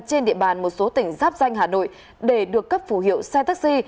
trên địa bàn một số tỉnh giáp danh hà nội để được cấp phù hiệu xe taxi